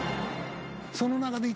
その中で。